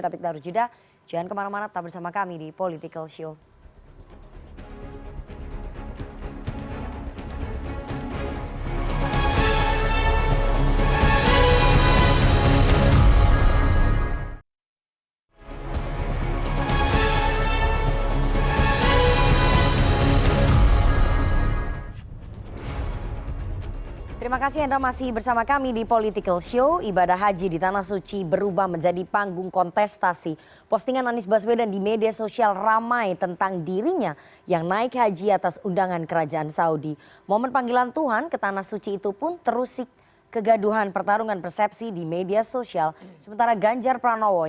tapi kita harus juga jangan kemana mana tetap bersama kami di politico show